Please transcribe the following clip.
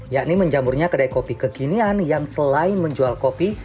yakni menjamurnya kedai kopi kekinian yang selain menjual kopi